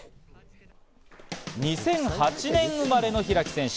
２００８年生まれの開選手。